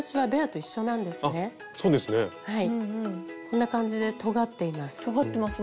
こんな感じでとがっています。